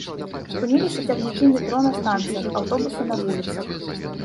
Спыніліся цягнікі метро на станцыях, аўтобусы на вуліцах.